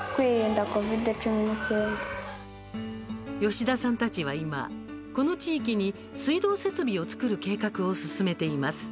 吉田さんたちは、今この地域に水道設備を造る計画を進めています。